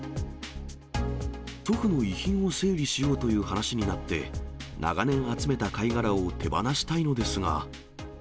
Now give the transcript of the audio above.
祖父の遺品を整理しようという話になって、長年集めた貝殻を手放したいのですが。